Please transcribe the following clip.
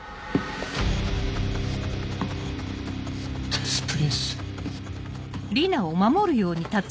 デス・プリンス。